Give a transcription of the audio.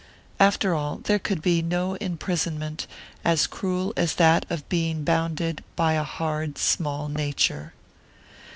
After all, there could be no imprisonment as cruel as that of being bounded by a hard small nature.